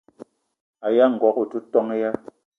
Aya ngogo o te ton ya?